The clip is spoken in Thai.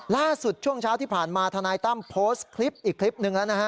ช่วงเช้าที่ผ่านมาทนายตั้มโพสต์คลิปอีกคลิปหนึ่งแล้วนะฮะ